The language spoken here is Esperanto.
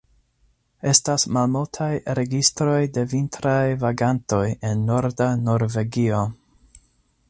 Estas malmultaj registroj de vintraj vagantoj en norda Norvegio.